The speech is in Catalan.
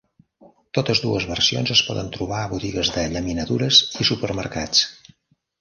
Totes dues versions es poden trobar a botigues de llaminadures i supermercats.